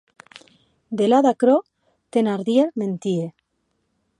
Delà d’aquerò, Thenardier mentie.